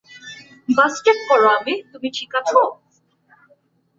বাস check করো, আমির, তুমি ঠিক আছ?